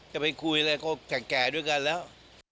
ก็ไปคุยแล้วก็แก่ด้วยกันแล้ว